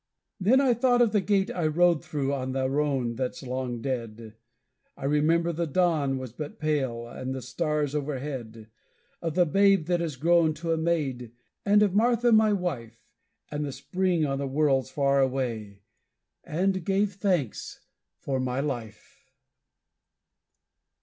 Then I thought of the gate I rode through on the roan that's long dead, I remember the dawn was but pale, and the stars overhead; Of the babe that is grown to a maid, and of Martha, my wife, And the spring on the wolds far away, and gave thanks for my life!